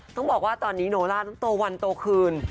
ต้องบอกว่าตอนนี้โนล่านั้นโตวันโตคืน